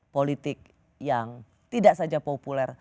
politik yang tidak saja populer